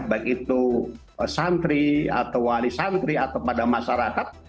baik itu santri atau wali santri atau pada masyarakat